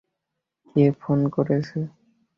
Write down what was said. কে phone করেছে?